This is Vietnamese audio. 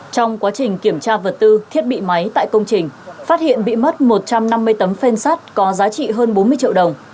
trong quá trình kiểm tra vật tư thiết bị máy tại công trình phát hiện bị mất một trăm năm mươi tấm phên sắt có giá trị hơn bốn mươi triệu đồng